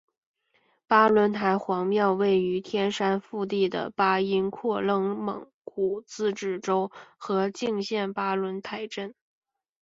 巴仑台黄庙位于天山腹地的巴音郭楞蒙古自治州和静县巴仑台镇。